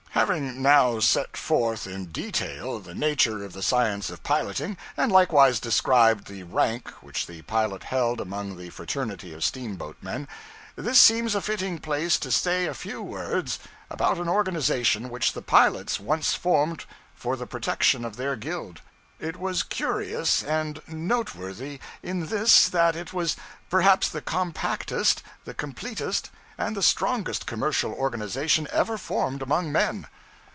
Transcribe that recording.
Having now set forth in detail the nature of the science of piloting, and likewise described the rank which the pilot held among the fraternity of steamboatmen, this seems a fitting place to say a few words about an organization which the pilots once formed for the protection of their guild. It was curious and noteworthy in this, that it was perhaps the compactest, the completest, and the strongest commercial organization ever formed among men.